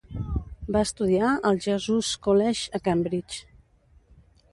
Va estudiar al Jesus College, a Cambridge.